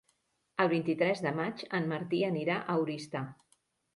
El vint-i-tres de maig en Martí anirà a Oristà.